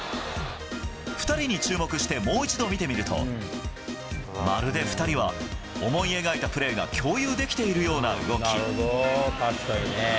２人に注目してもう一度見てみると、まるで２人は、思い描いたプレーが共有できているような動き。